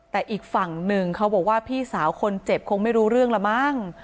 แต่อีกฝั่งหนึ่งเขาบอกว่าพี่สาวคนเจ็บคงไม่รู้เรื่องละมั้ง